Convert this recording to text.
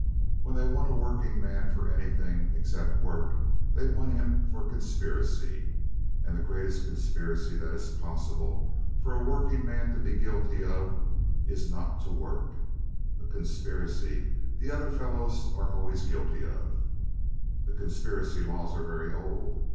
When they want a working man for anything excepting work they want him for conspiracy. And the greatest conspiracy that is possible for a working man to be guilty of is not to work a conspiracy the other fellows are always guilty of. The conspiracy laws are very old.